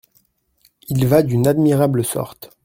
Il va d’une admirable sorte !